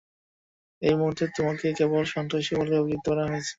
এই মুহুর্তে, তোমাকে কেবল সন্ত্রাসী বলে অভিযুক্ত করা হয়েছে।